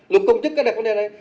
luật công chức có đặt vấn đề này